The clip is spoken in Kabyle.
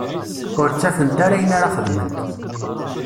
Ur ttafent ara ayen ara xedment.